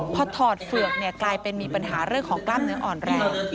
พอถอดเฝือกกลายเป็นมีปัญหาเรื่องของกล้ามเนื้ออ่อนแรง